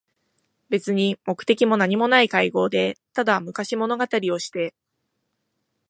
べつに目的もなにもない会合で、ただ昔物語りをして、